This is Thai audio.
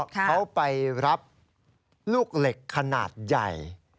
เขาไปรับลูกเหล็กขนาดใหญ่